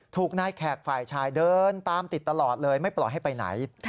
ถูกนายแขกฝ่ายชายเดินตามติดตลอดเลยไม่ปล่อยให้ไปไหน